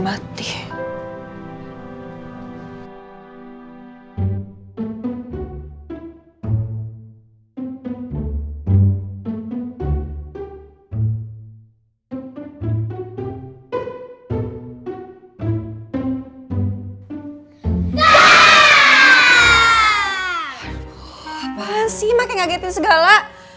apaan sih makanya kagetin segala